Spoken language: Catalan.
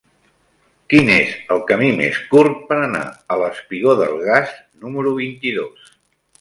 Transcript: Quin és el camí més curt per anar al espigó del Gas número vint-i-dos?